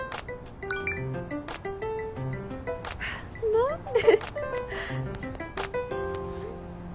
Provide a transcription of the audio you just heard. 何で。